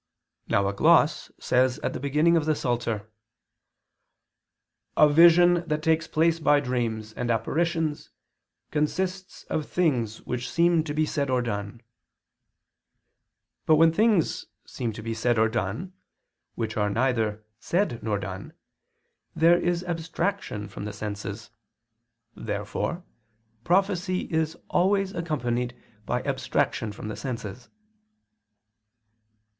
Now a gloss says at the beginning of the Psalter, "a vision that takes place by dreams and apparitions consists of things which seem to be said or done." But when things seem to be said or done, which are neither said nor done, there is abstraction from the senses. Therefore prophecy is always accompanied by abstraction from the senses.